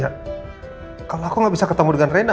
ya kalau aku nggak bisa ketemu dengan reina